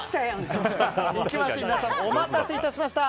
皆さん、お待たせいたしました。